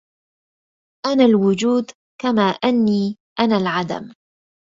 أنا الوجود كما أني أنا العدم